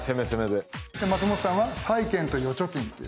で松本さんは債券と預貯金という。